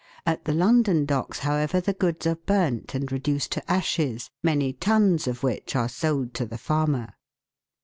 At the London Docks, however, the goods are burnt and reduced to ashes, many tons of which are sold to the farmer.